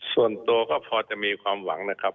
ส่วนตัวก็พอจะมีความหวังนะครับ